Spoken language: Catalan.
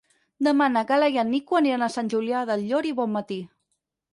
Demà na Gal·la i en Nico aniran a Sant Julià del Llor i Bonmatí.